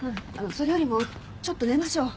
それよりもちょっと寝ましょう。